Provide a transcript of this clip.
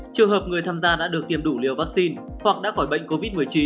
trường hợp người tham gia đã được tiêm đủ liều vaccine hoặc đã khỏi bệnh covid một mươi chín